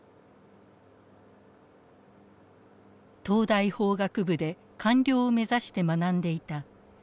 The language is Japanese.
東大法学部で官僚を目指して学んでいた歌田勝弘さん